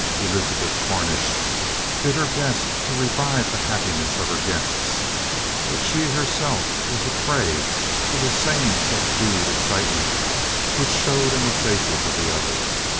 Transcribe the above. Elizabeth Cornish did her best to revive the happiness of her guests, but she herself was a prey to the same subdued excitement which showed in the faces of the others.